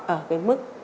ở cái mức